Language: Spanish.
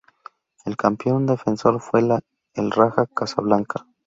El campeón defensor fue el Raja Casablanca.